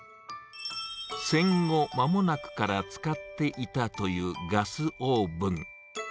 戦後間もなくから使っていたというガスオーブン。